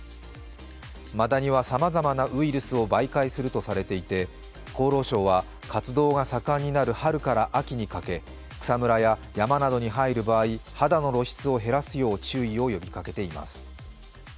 マダニはさまざまなウイルスを媒介するとされていて、厚労省は、活動が盛んになる春から秋にかけ草むらや山などに入る場合、肌の露出を減らすよう注意を呼びかけています。